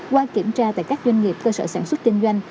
qua kiểm tra tại các doanh nghiệp cơ sở sản xuất kinh doanh